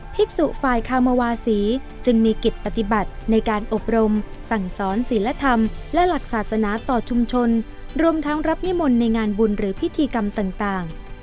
ภิกษุฝ่ายคามวาศีจึงมีกิจปฏิบัติในการอบรมสั่งสอนศิลธรรมและหลักศาสนาต่อชุมชนรวมทั้งรับนิมนต์ในงานบุญหรือพิธีกรรมต่าง